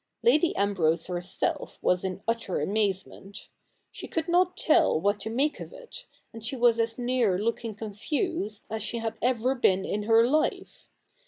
Lady Ambrose herself was in utter amazement. She could not tell what to make of it, and she was as near looking confused as she had ever been in her life.